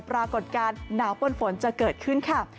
ปรากฏการณ์หนาวปนฝนจะเกิดขึ้นค่ะ